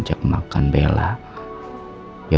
terima kasih ya